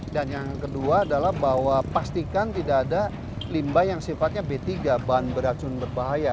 dan yang kedua adalah bahwa pastikan tidak ada limbah yang sifatnya b tiga bahan beracun berbahaya